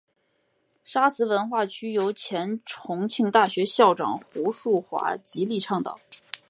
沙磁文化区由前重庆大学校长胡庶华极力倡导。